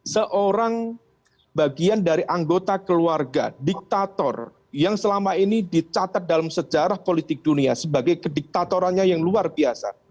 seorang bagian dari anggota keluarga diktator yang selama ini dicatat dalam sejarah politik dunia sebagai kediktatorannya yang luar biasa